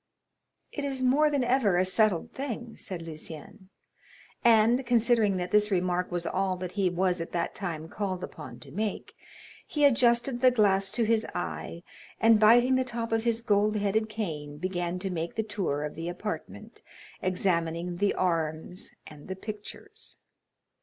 "It is more than ever a settled thing," said Lucien,—and, considering that this remark was all that he was at that time called upon to make, he adjusted the glass to his eye, and biting the top of his gold headed cane, began to make the tour of the apartment, examining the arms and the pictures.